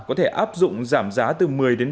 có thể áp dụng giảm giá từ một mươi ba mươi